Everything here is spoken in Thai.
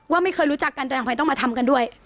ไม่เคยรู้จักกันแต่ทำไมต้องมาทำกันด้วย